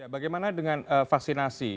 bagaimana dengan vaksinasi